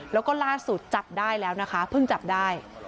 แล้วก็ล่าสุดจับได้แล้วนะคะเพิ่งจับได้